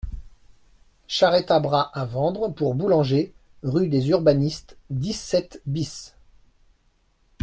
Charrette à bras à vendre pour boulanger, rue des Urbanistes, dix-sept bis.